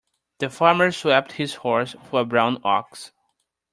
The farmer swapped his horse for a brown ox.